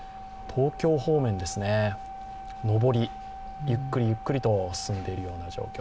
東京方面ですね、上りゆっくりゆっくり進んでいる状況。